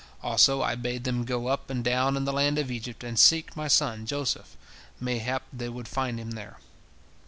Also I bade them go up and down in the land of Egypt and seek my son Joseph, mayhap they would find him there.